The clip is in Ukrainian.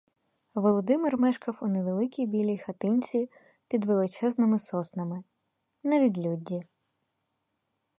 Володимир мешкав у невеличкій білій хатинці під величезними соснами, на відлюдді.